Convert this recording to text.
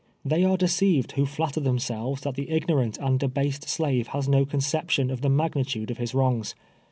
Tlie}^ are deceived who flatter themselves that the ignorant and debased slave has no conception of the magnitude of his wrongs.